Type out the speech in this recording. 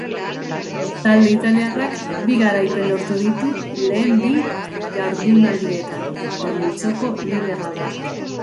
Talde italiarrak bi garaipen lortu ditu lehen bi jardunaldietan eta multzoko liderra da.